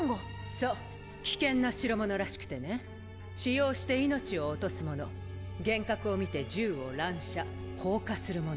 そう危険な代物らしくてね使用して命を落とす者幻覚を見て銃を乱射放火する者